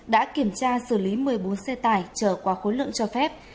đã kiểm tra xử lý một mươi bốn xe tải trở qua khối lượng cho phép